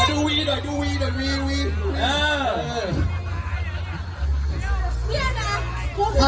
ดูวีดู่วีหมา